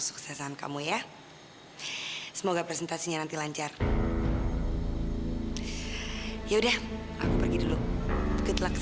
suksesan kamu ya semoga presentasinya nanti lancar ya udah aku pergi dulu ketelak saya